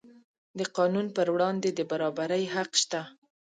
د قانون پر وړاندې د برابرۍ حق شته.